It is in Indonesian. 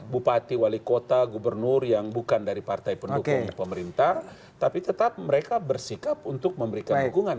menggunakan dana bantuan